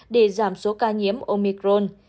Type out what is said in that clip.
để giảm số ca nhiễm omicron